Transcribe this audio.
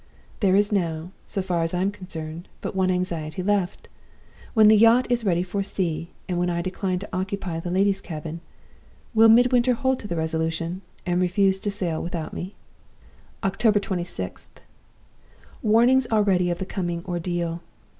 "There is now so far as I am concerned but one anxiety left. When the yacht is ready for sea, and when I decline to occupy the lady's cabin, will Midwinter hold to his resolution, and refuse to sail without me?" "October 26th. Warnings already of the coming ordeal.